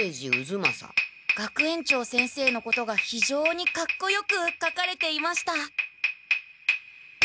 学園長先生のことがひじょうにかっこよく書かれていました。